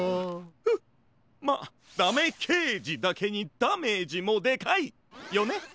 フッまっだめけいじだけにダメージもでかいよね！